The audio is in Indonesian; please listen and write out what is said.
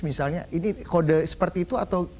misalnya ini kode seperti itu atau